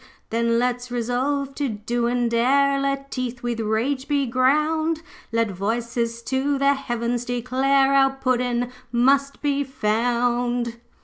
'Then let's resolve to do and dare. Let teeth with rage be ground. Let voices to the heavens declare Our Puddin' MUST be found.'